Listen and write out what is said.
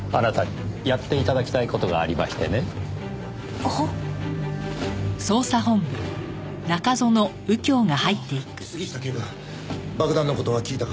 ああ杉下警部爆弾の事は聞いたか？